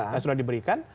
yang sudah diberikan